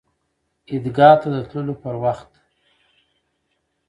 عیدګاه ته د تللو پر وخت